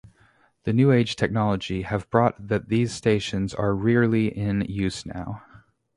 The new age technology have brought that these stations are rearly in use now.